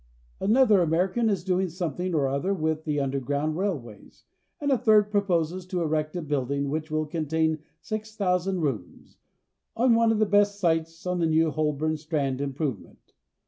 Another American is doing something or other With the underground railways, And a third proposes to erect a building Which will contain 6,000 rooms On one of the best sites On the new Holborn Strand improvement.